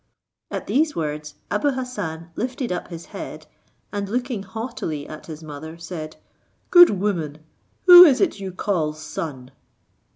At these words Abou Hassan lifted up his head, and looking haughtily at his mother, said, "Good woman! who is it you call son?"